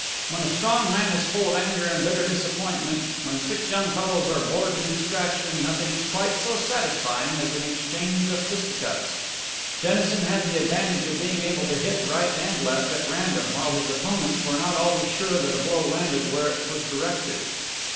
When a strong man is full of anger and bitter disappointment, when six young fellows are bored to distraction, nothing is quite so satisfying as an exchange of fisticuffs. Dennison had the advantage of being able to hit right and left, at random, while his opponents were not always sure that a blow landed where it was directed.